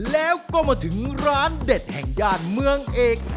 แล้วก็มาถึงร้านเด็ดแห่งย่านเมืองเอก